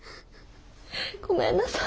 ごめんなさい。